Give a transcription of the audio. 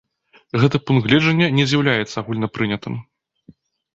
Гэты пункт гледжання не з'яўляецца агульнапрынятым.